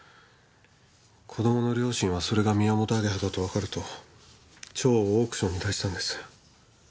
子供の両親はそれがミヤモトアゲハだとわかると蝶をオークションに出したんです。